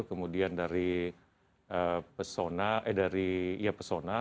kemudian dari pesona